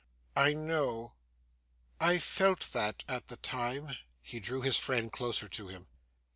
'I know. I felt that, at the time.' He drew his friend closer to him.